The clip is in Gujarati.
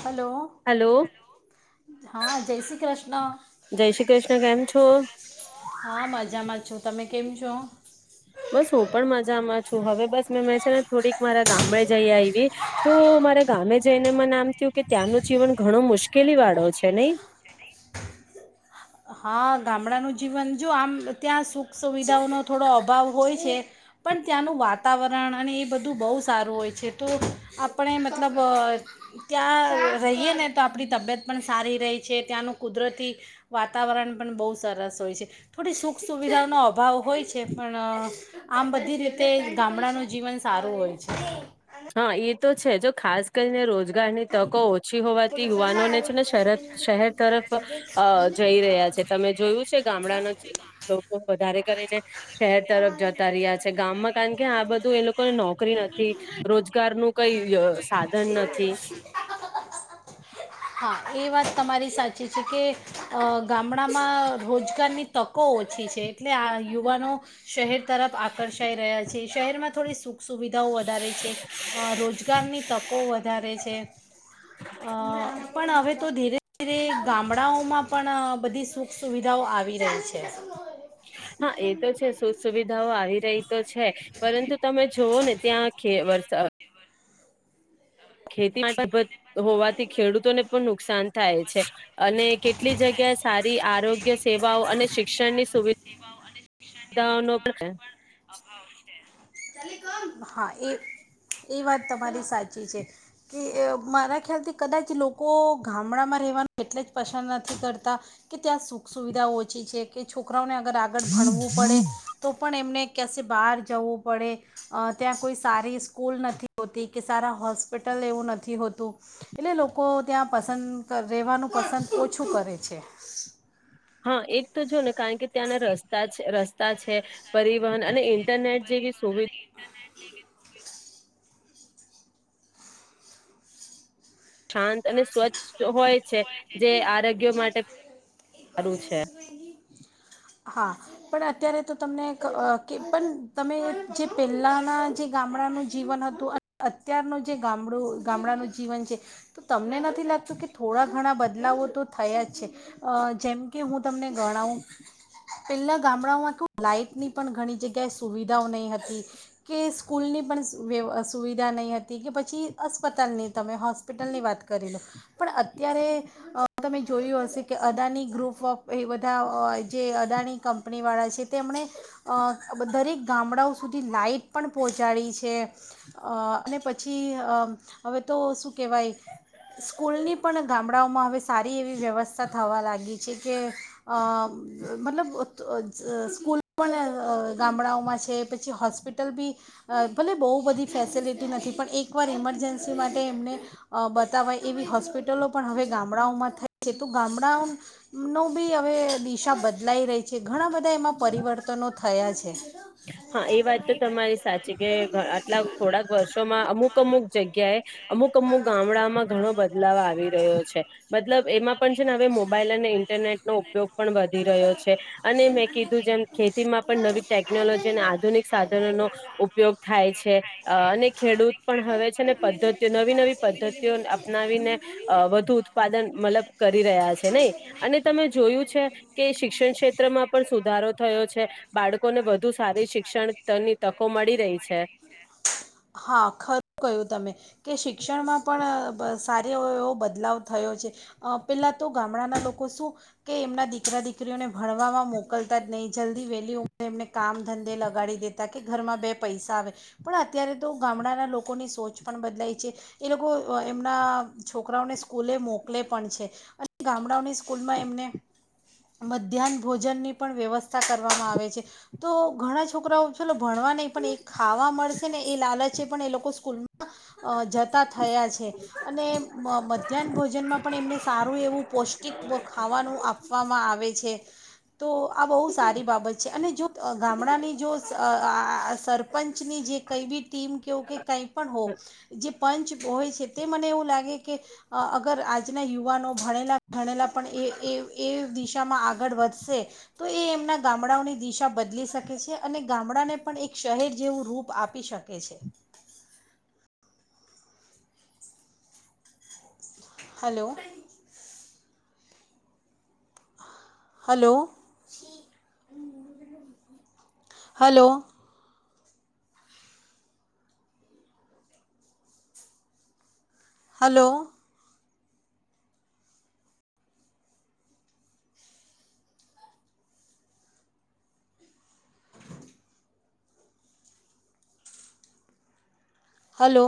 હલો હલો હા જય શ્રી કૃષ્ણ, જય શ્રી કૃષ્ણ કેમ છો હા મજામાં છું તમે? કેમ છો? બસ હું પણ મજામાં છું હવે બસ મે મેં છે ને થોડીક મારા ગામડે જઈ આયવી તો મારા ગામે જઈને મને આમ થયું કે ત્યાંનું જીવન ઘણું મુશ્કેલીવાળો છે નઈ? હા ગામડાનું જીવન જો આમ ત્યાં સુખ સુવિધાઓનો થોડો અભાવ હોય છે પણ ત્યાંનું વાતાવરણ અને એ બધું બહુ સારું હોય છે તો આપણે મતલબ અ ત્યાં રહીએ ને તો આપણી તબિયત પણ સારી રેય છે ત્યાંનું કુદરતી વાતાવરણ પણ બહુ સરસ હોય છે થોડી સુખ સુવિધાઓનો અભાવ હોય છે પણ અ આમ બધી રીતે ગામડાનું જીવન સારું હોય છે. હા એ તો છે જો ખાસ કરીને રોજગારની તકો ઓછી હોવાથી યુવાનોને છે ને શર શહેર તરફ, જઈ રહ્યા છે તમે જોયું છે ગામડાના લોકો વધારે કરીને, શહેર તરફ જતા રહ્યા છે ગામમાં કારણ કે આ બધું એ લોકોને નોકરી નથી. રોજગાર નું કઈ સાધન નથી. હા એ વાત તમારી સાચી છે કે, ગામડામાં રોજગારની તકો ઓછી છે એટલે આ યુવાનો શહેર તરફ આકર્ષાઈ રહ્યા છે. શહેરમાં થોડી સૂ સુવિધાઓ વધારે છે, રોજગારની તકો વધારે છે. અ પણ હવે તો ધીરે ગામડાઓમાં પણ બધી સુખ સુવિધાઓ આવી રહી છે. હા એ તો છે સુ સુવિધાઓ આવી રહી તો છે, પરંતુ તમે જોુવઓ ને ત્યાં વરસાદ ચાલ ખેતીમાં હોવાથી ખેડૂતોને પણ નુકસાન થાય છે, અને કેટલી જગ્યાએ સારી આરોગ્ય સેવાઓ અને શિક્ષણની સેવાઓ અને શિક્ષણની સુવિધાઓ ન પણ અભાવ છે [unintelligible] હા એ એ વાત તમારી સાચી છે, કે મારા ખ્યાલથી કદાચ લોકો ગામડામાં રહેવાનું એટલે જ પસંદ નથી કરતા, કે ત્યાં સુખ સુવિધા ઓછી છે કે છોકરાઓને અગર આગળ ભણવું પડે, તો પણ એમને કસે બહાર જવું પડે, ત્યાં કોઈ સારી સ્કૂલ નથી હોતી કે સારા હોસ્પિટલ એવું નથી હોતું, એટલે લોકો ત્યાં પસંદ રહેવાનું પસંદ ઓછું કરે છે. હા એક તો જો ને કારણ કે ત્યાના રસ્તા જ રસ્તા છે, પરિવહન અને ઇન્ટરનેટ જેવી સુવિધા શાંત અને સ્વચ્છ હોય. છે, જે આરોગ્ય માટે સારું છે. હા, પણ અત્યારે તો તમને કે પણ તમે જે પહેલાંના જે ગામડાનું જીવન હતું અને અત્યારનું જે ગામડું ગામડાનું જીવન છે, તો તમને લગતું કે થોડા બદલાવો તો થયા જ છે, જેમ કે હું તમને ગણાવુ. પેલા ગામડામાં કે લાઈટની પણ ઘણી જગ્યાએ સુવિધાઓ નહી હતી. કે સ્કૂલની પણ વ્ય સુવિધા નહીં હતી કે પછી અસ્પતાલની તમે હોસ્પિટલની વાત કરી લો, પણ અત્યારે, તમે જોયું હશે કે અદાની ગ્રુપ ઓફ એ બધા જે અદાની કંપનીવાળા છે તેમણે, દરેક ગામડાઓ સુધી લાાઈટ પણ પહોંચાડી છે, અને પછી હવે તો શું કહેવાય સ્કૂલની પણ ગામડાઓમાં હવે સારી એવી વ્યવસ્થા થવા લાગી છે કે, મતલબ સ્કૂલ પણ ગામડાઓમાં છે પછી હોસ્પિટલ બી ભલે બહુ બધી ફેસિલિટી નથી પણ એકવાર ઇમરજન્સી માટે એમને, બતાવાય એવી હોસ્પિટલ હોલો પણ હવે ગામડાઓમાં થઈ છે તો ગામડાઓ, ન બી હવે દિશા બદલાઈ રહી છે ઘણા બધા એમાં પરિવર્તનો થયા છે. હા એ વાત તો તમારી સાચી કે આટલા થોડાક વર્ષોમાં અમુક અમુક જગ્યાએ. અમુક અમુક ગામડાઓમાં ઘણો બદલાવ આવી રહ્યો છે, મતલબ એમાં પણ છે ને હવે મોબાઈલ અને ઇન્ટરનેટનો ઉપયોગ પણ વધી રહ્યો છે, અને મેં કીધું જેમ ખેતીમાં પણ નવી ટેકનોલોજી જે આધુનિક સાધનો નો ઉપયોગ થાય છે અહ અને ખેડૂત પણ હવે છે ને પદ્ધતિનો નવી નવી પદ્ધતિઓ અપનાવીને અહ વધુ ઉત્પાદન મતલબ કરી રહ્યા છે નહી અને તમે જોયું છે કે શિક્ષણ ક્ષેત્રમાં પણ સુધારો થયો છે બાળકોને વધુ સારી શિક્ષણની તકો મળી રહી છે. હા ખરું કયું તમે. કે શિક્ષણમાં પણ પણ સાર એવ એવો બદલાવ થયો છે પહેલાં તો ગામડાના લોકો શું કે એમના દીકરા દીકરીઓને ભણવામાં મોકલતા જ નહીં જલ્દી વહેલી ઉંમરે એમને કામ ધંધે લગાડી દેતા કે ઘરમાં બે પૈસા આવે પણ અત્યારે તો ગામડાના લોકોની સોચ પણ બદલાઈ છે એ લોકો એમના છોકરાઓને સ્કૂલે મોકલે પણ છે અને ગામડાઓની સ્કૂલમાં એમને મધ્યાહન ભોજનની પણ વ્યવસ્થા કરવામાં આવે છે તો ઘણા છોકરાઓ ચલો ભણવા નહીં પણ એ ખાવા મળશે ને એ લાલચ છે પણ એ લોકો સ્કૂલ માં અ જતા થયા છે અને મ મધ્યાહન ભોજનમાં પણ એમને સારું એવું પૌષ્ટિક ખાવાનું આપવામાં આવે છે. તો આ બહુ સારી બાબત છે અને જો ગામડાની જોઅસરપંચની જે કઈ બી ટીમ કે એવુ કઈ પણ હો પંચ હોય છે તે મને એવું લાગે કે અગર આજના યુવાનો ભણેલા ગણેલા પણ એ એ એ દિશામાં આગળ વધશે તો એ એમના ગામડાઓની દિશા બદલી શકે છે અને ગામડાને પણ એક શહેર જેવું રૂપ આપી શકે છે. Hello [inaudible] hello [inaudible] hello hello hello